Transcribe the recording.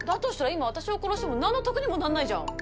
いま私を殺しても何の得にもなんないじゃん！